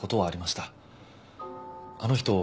あの人